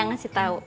nggak ngasih tahu